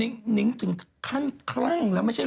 อันนี้กำลังหลอกถามฉันดิ